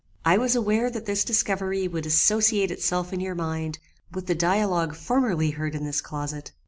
I was aware that this discovery would associate itself in your mind, with the dialogue formerly heard in this closet.